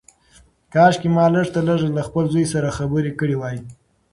کاشکي ما لږ تر لږه له خپل زوی سره خبرې کړې وای.